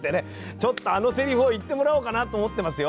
ちょっとあのせりふを言ってもらおうかなと思ってますよ！